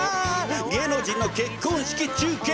芸能人の結婚式中継！